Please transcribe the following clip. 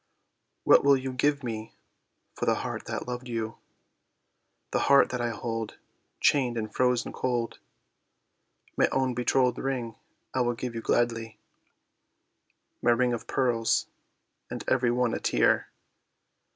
"What will you give me for the heart that loved you, The heart that I hold chained and frozen cold?" "My own betrothed ring I give you gladly, My ring of pearls—and every one a tear!"